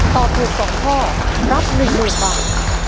ตอบถูก๒ข้อรับ๑๐๐๐บาท